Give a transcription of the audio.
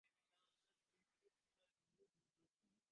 তিনি দুটি পত্রিকা প্রকাশ ও সম্পাদনা করতেন।